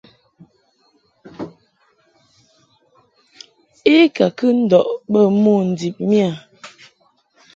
I ka kɨ ndɔʼ bə mo ndib miƴa.